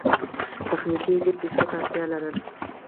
تخنیکي ایډېټ پیسو ته اړتیا لرله.